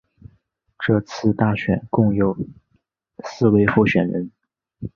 这次大选共有四位候选人。